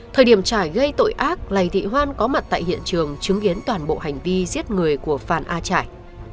thời điểm trải gây tội ác lầy thị hoan có mặt tại hiện trường chứng kiến toàn bộ hành vi giết người của phan a trải